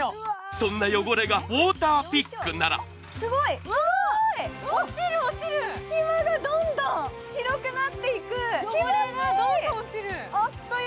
そんな汚れがウォーターピックならすき間がどんどん白くなっていく、気持ちいい！